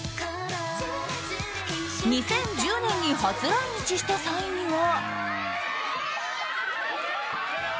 ２０１０年に初来日した際には。